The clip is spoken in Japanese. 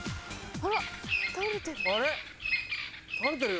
あれ倒れてるよ。